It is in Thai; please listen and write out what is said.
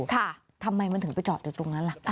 ทำไมมันถึงไปจอดอยู่ตรงนั้นล่ะ